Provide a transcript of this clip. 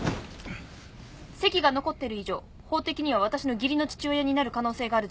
籍が残っている以上法的には私の義理の父親になる可能性がある人物です。